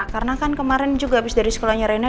karena kan kemarin juga habis dari sekolahnya rina